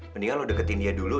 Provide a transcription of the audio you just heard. mendingan lo deketin dia dulu